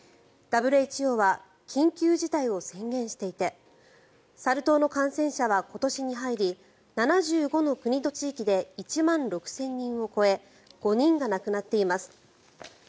ＷＨＯは緊急事態を宣言していてサル痘の感染者は今年に入り７５の国と地域で１万６０００人を超え５人が亡くなっています。